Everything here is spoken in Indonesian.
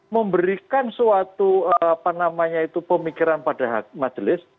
memberikan suatu pemikiran pada majelis